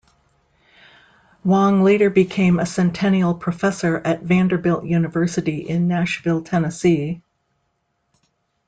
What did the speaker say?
Wang later became a Centennial Professor at Vanderbilt University in Nashville, Tennessee.